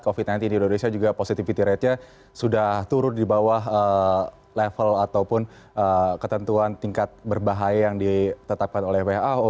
covid sembilan belas di indonesia juga positivity ratenya sudah turun di bawah level ataupun ketentuan tingkat berbahaya yang ditetapkan oleh who